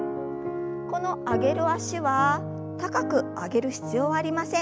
この上げる脚は高く上げる必要はありません。